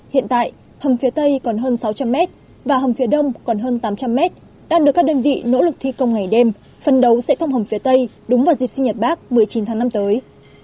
hiện tại hầm phía tây còn hơn sáu trăm linh m và hầm phía đông còn hơn tám trăm linh mét đang được các đơn vị nỗ lực thi công ngày đêm phân đấu sẽ thông hầm phía tây đúng vào dịp sinh nhật bác một mươi chín tháng năm tới